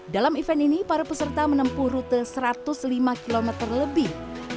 dalam event ini para peserta menempuh rute satu ratus lima km lebih